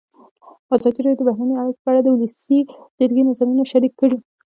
ازادي راډیو د بهرنۍ اړیکې په اړه د ولسي جرګې نظرونه شریک کړي.